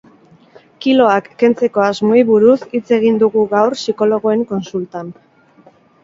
Kiloak kentzeko asmoei buruz hitz egin dugu gaur psikologoen kontsultan.